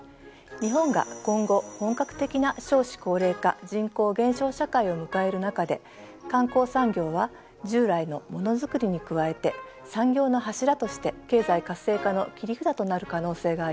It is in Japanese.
日本が今後本格的な少子高齢化人口減少社会を迎える中で観光産業は従来のもの作りに加えて産業の柱として経済活性化の切り札となる可能性があります。